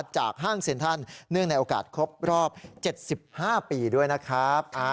ห้างเซ็นทรัลเนื่องในโอกาสครบรอบ๗๕ปีด้วยนะครับ